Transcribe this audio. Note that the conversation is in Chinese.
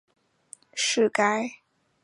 是该组海山炼中最西端的海底山。